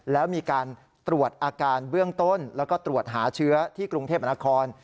แล้วมีการตรวจอาการเบื้องต้นแล้วก็ตรวจหาเชื้อที่กรุงเทพมนาคอน